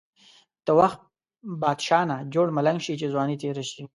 د وخت بادشاه نه جوړ ملنګ شی، چی ځوانی تیره شی.